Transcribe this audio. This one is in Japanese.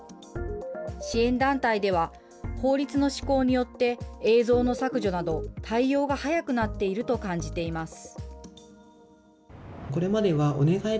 支援団体では、法律の施行によって、映像の削除など対応が早くなっていると感じています。